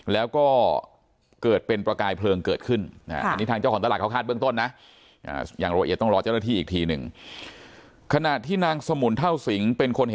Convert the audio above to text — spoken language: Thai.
แล้วก็เกิดเป็นประกายเพลิงเกิดขึ้น